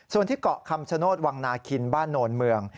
ส่วนที่เกาะคำชโนธวังนาคินบ้านโนนเมือง